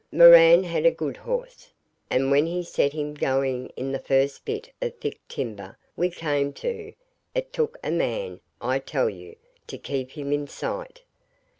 Moran had a good horse, and when he set him going in the first bit of thick timber we came to, it took a man, I tell you, to keep him in sight.